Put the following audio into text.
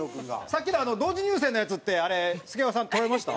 さっきの同時入線のやつってあれ助川さん撮られました？